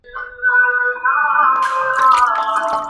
ওপরে কোন আওয়াজ শোনা যাচ্ছে।